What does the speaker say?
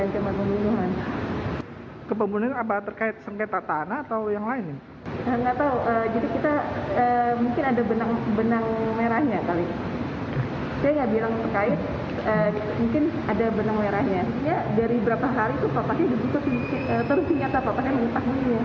jadi yang menurut saya ini sudah perencana ya